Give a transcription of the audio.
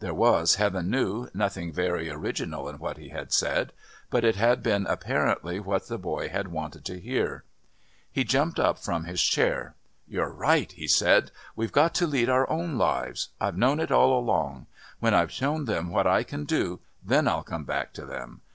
There was, Heaven knew, nothing very original in what he had said, but it had been apparently what the boy had wanted to hear. He jumped up from his chair: "You're right," he said. "We've got to lead our own lives. I've known it all along. When I've shown them what I can do, then I'll come back to them.